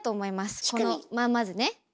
このままずね？